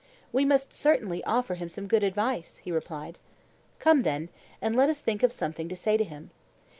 We must certainly offer him some good advice, he replied. Come, then, and let us think of something to say to him.